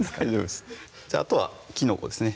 あとはきのこですね